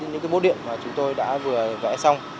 những bốt điện mà chúng tôi đã vừa vẽ xong